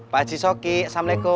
pak haji soki assalamualaikum